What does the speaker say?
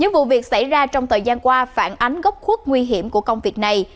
vụ việc xảy ra trong thời gian qua phản ánh gốc khuất nguy hiểm của công việc này